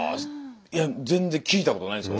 いや全然きいたことないんですか？